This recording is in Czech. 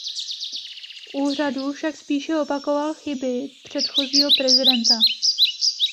V úřadu však spíše opakoval chyby předchozího prezidenta.